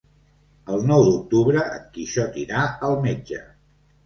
El nou d'octubre en Quixot irà al metge.